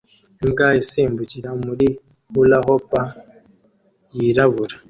imbwa isimbukira muri hulahoop yirabura